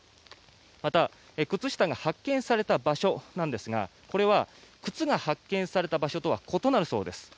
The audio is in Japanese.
また、靴下が発見された場所ですがこれは、靴が発見された場所とは異なるそうです。